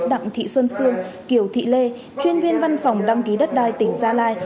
đặng thị xuân sương kiều thị lê chuyên viên văn phòng đăng ký đất đai tỉnh gia lai